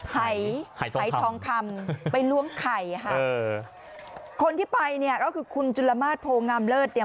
ไหไหทองคำไปล้วงไข่ฮะเออคนที่ไปเนี่ยก็คือคุณจุฬมาศโพง่ำเลิศเนี่ย